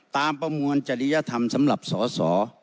ประมวลจริยธรรมสำหรับสอสอ